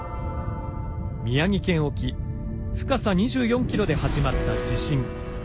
宮城県沖深さ２４ｋｍで始まった地震。